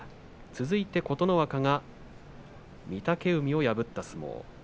続いて琴ノ若が御嶽海を破った相撲。